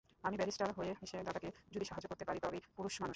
আমি ব্যারিস্টার হয়ে এসে দাদাকে যদি সাহায্য করতে পারি তবেই পুরুষমানুষ।